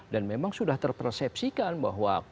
dan memang sudah terpersepsikan bahwa